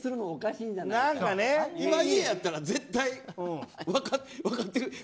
家やったら絶対分かってるはず。